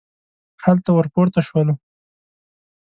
هلته ور پورته شولو.